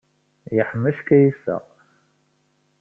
Yeḥmec Kaysa.